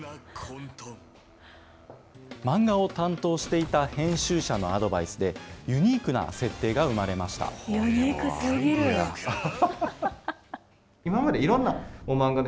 漫画を担当していた編集者のアドバイスで、ユニークな設定が生まユニークすぎる。